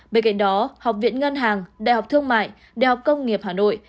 bên cạnh đó học viện ngân hàng đại học thương mại đại học công nghiệp hà nội